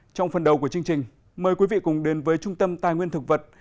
trong phần đầu của chương trình mời quý vị cùng đến với trung tâm tài nguyên thực vật